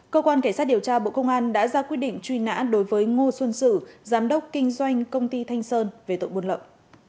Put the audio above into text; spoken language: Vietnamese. cơ quan cảnh sát điều tra bộ công an đã ra quyết định truy nã đối với ngô xuân sử giám đốc kinh doanh công ty thanh sơn về tội buôn lậu